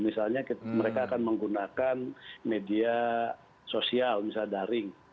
misalnya mereka akan menggunakan media sosial misalnya daring